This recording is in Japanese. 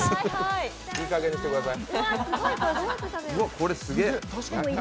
いいかげんにしてください。